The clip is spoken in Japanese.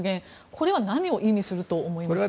これは何を意味すると思いますか？